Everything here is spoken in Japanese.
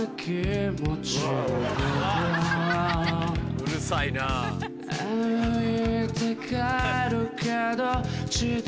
うるさいなぁ。うう。